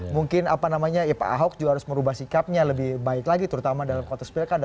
mungkin apa namanya ya pak ahok juga harus merubah sikapnya lebih baik lagi terutama dalam konteks pilkada